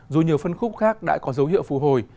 dù nhiều phân khúc khác đã có dấu hiệu phù hồi